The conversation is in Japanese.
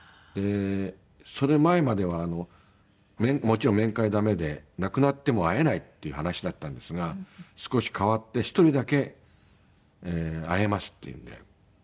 その前まではもちろん面会ダメで亡くなっても会えないっていう話だったんですが少し変わって１人だけ会えますっていうので。